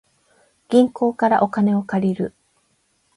銀行からお金を借りる